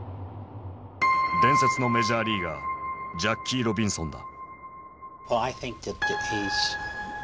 伝説のメジャーリーガージャッキー・ロビンソンだ。